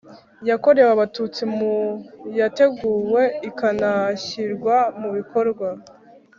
Yakorewe abatutsi mu yateguwe ikanashyirwa mu bikorwa